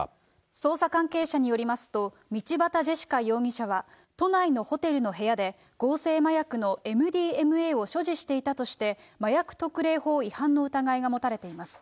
捜査関係者によりますと、道端ジェシカ容疑者は、都内のホテルの部屋で、合成麻薬のＭＤＭＡを所持していたとして、麻薬特例法違反の疑いが持たれています。